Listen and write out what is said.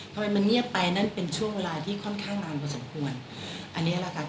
ทำไมเงียบไปนั้นขั้นไปก็ค่อนข้างนานกว่าสมควร